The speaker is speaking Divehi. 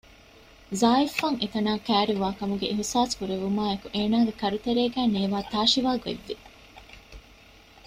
ޒާއިފް އަށް އެތަނާ ކައިރިވާކަމުގެ އިހްސާސް ކުރެވުމާއި އެކު އޭނާގެ ކަރުތެރޭގައި ނޭވާ ތާށިވާ ގޮތްވި